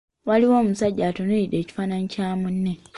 Waliwo omusajja atunuulidde ekifaananyi kya munne.